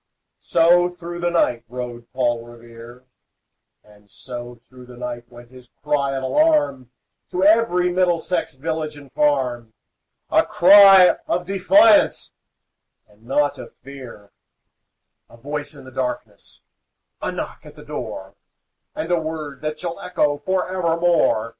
So through the night rode Paul Revere; And so through the night went his cry of alarm To every Middlesex village and farm, A cry of defiance and not of fear, A voice in the darkness, a knock at the door, And a word that shall echo forevermore!